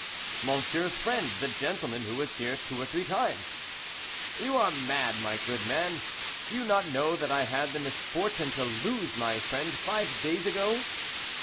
"Monsieur's friend. The gentleman who was here two or three times." "You are mad, my good man. Do you not know that I had the misfortune to lose my friend five days ago?"